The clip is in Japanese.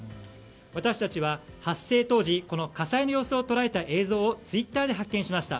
私たちは、発生当時この火災の様子を捉えた映像をツイッターで発見しました。